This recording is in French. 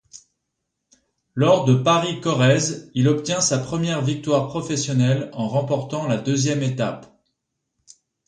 Lors de Paris-Corrèze, il obtient sa première victoire professionnelle en remportant la deuxième étape.